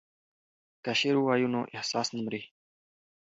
که شعر ووایو نو احساس نه مري.